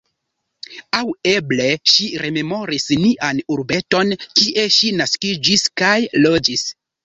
Aŭ eble ŝi rememoris nian urbeton, kie ŝi naskiĝis kaj loĝis.